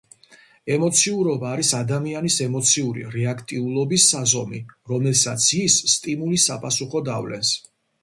ემოციურობა არის ადამიანის ემოციური რეაქტიულობის საზომი, რომელსაც ის სტიმულის საპასუხოდ ავლენს.